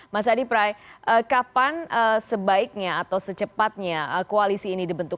mas adi pray kapan sebaiknya atau secepatnya koalisi ini dibentuk